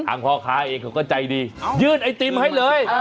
พ่อค้าเองเขาก็ใจดียื่นไอติมให้เลย